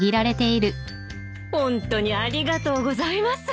ホントにありがとうございます！